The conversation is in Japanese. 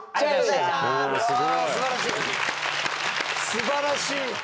素晴らしい。